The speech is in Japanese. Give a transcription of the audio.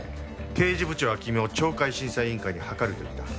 刑事部長は昨日懲戒審査委員会に諮ると言った。